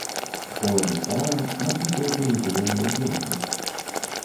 Стэлажы з таварам накрытыя поліэтыленавай плёнкай.